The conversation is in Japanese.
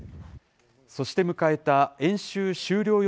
そして迎えた演習終了